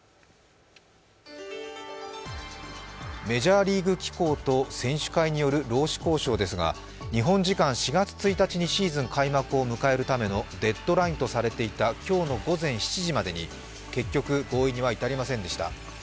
メジャーリーグ機構と選手会による労使交渉ですが、日本時間４月１日にシーズン開幕を迎えるためのデッドラインとされていた今日の午前７時までに結局合意には至りませんでした。